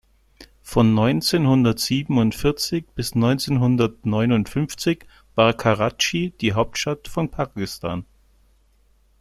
Von neunzehnhundertsiebenundvierzig bis neunzehnhundertneunundfünfzig war Karatschi die Hauptstadt von Pakistan.